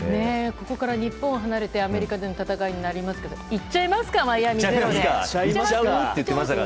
ここから日本を離れてアメリカでの戦いになりますけど行っちゃいます？